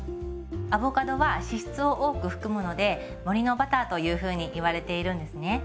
アボカドは脂質を多く含むので森のバターというふうにいわれているんですね。